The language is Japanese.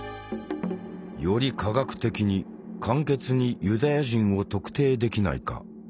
「より科学的に簡潔にユダヤ人を特定できないか」。